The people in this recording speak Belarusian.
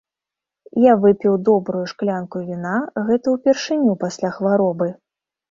Я выпіў добрую шклянку віна, гэта ўпершыню пасля хваробы.